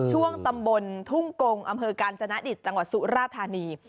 ช่วงตำบลทุ่งกงอำเภอกาญจนดิตจังหวัดสุราธานี